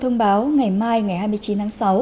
thông báo ngày mai ngày hai mươi chín tháng sáu